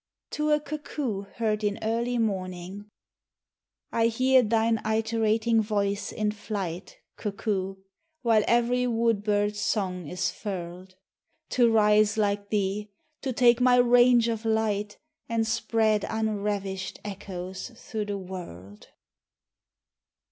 TO A CUCKOO HEARD IN EARLY MORNING, I HEAR thine iterating voice in flight, Cuckoo, while every wood bird's song is furled. To rise like thee ! to take my range of light. And spread unravished echoes through the world